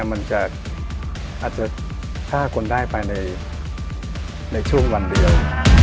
มันอาจจะที่จะฆ่าคนได้ไปในช่วงวันเดียว